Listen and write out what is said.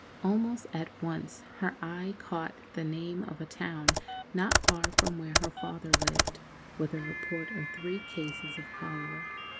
Almost at once her eye caught the name of a town not far from where her father lived, with a report of three cases of cholera.